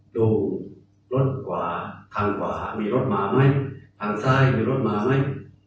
ดูรถทางขวามีรถมามั้ยทางซ้ายมีรถมามั้ย